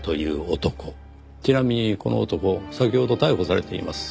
ちなみにこの男先ほど逮捕されています。